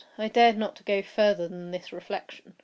I dared not go farther than this reflection.